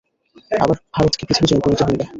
আবার ভারতকে পৃথিবী জয় করিতে হইবে।